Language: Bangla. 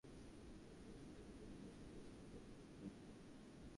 হেমিংওয়ে গারট্রুডের লেসবিয়ান সম্পর্ককে খোঁচা দিয়ে লিখলেন, এলিসের স্বামী হচ্ছে গারট্রুড।